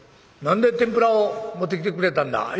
何で天ぷらを持ってきてくれたんだ？」。